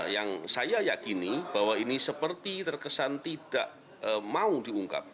yang saya yakini bahwa ini seperti terkesan tidak mau diungkap